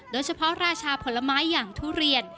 โดยเฉพาะราชาผลไม้อย่างทุเรียน